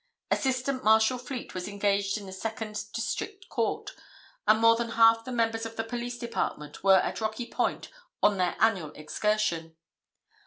Assistant Marshal Fleet was engaged in the Second District Court, and more than half the members of the police department were at Rocky Point on their annual excursion.